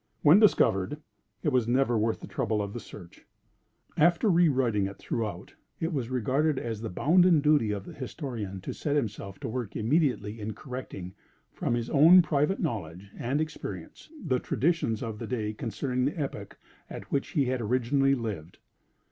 When discovered, it was never worth the trouble of the search. After re writing it throughout, it was regarded as the bounden duty of the historian to set himself to work immediately in correcting, from his own private knowledge and experience, the traditions of the day concerning the epoch at which he had originally lived.